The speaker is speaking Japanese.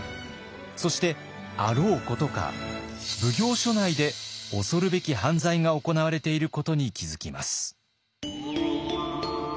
そしてあろうことか奉行所内で恐るべき犯罪が行われていることに気付きます。